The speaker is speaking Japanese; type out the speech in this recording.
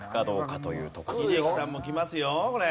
英樹さんもきますよこれ。